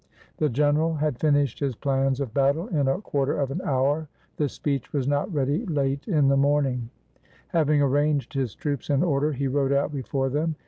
The general had finished his plans of battle in a quar ter of an hour — the speech was not ready late in the morning. 347 AUSTRIA HUNGARY Having arranged his troops in order, he rode out be fore them.